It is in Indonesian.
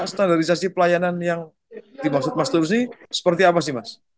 standarisasi pelayanan yang dimaksud mas tulus ini seperti apa sih mas